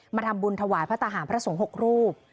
มาทำบุญถวายพระทหารพระสงฆ์๖รูป